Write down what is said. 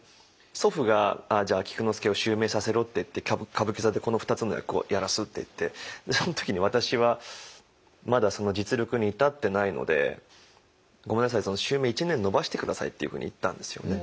祖父がじゃあ菊之助を襲名させろって言って歌舞伎座でこの２つの役をやらすって言ってその時に私はまだその実力に至ってないので「ごめんなさいその襲名１年延ばして下さい」っていうふうに言ったんですよね。